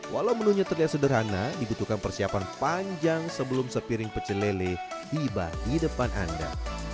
walau menunya terlihat sederhana dibutuhkan persiapan panjang sebelum sepiring pecelele tiba di depan anda